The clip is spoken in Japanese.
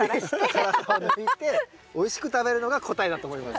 皮むいておいしく食べるのが答えだと思います。